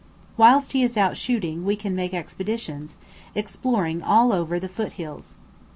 Whilst he is out shooting, we make expeditions, exploring over all the foot hills.